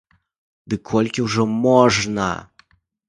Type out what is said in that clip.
Ды колькі ўжо можна?